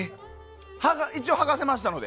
一応、剥がせましたので。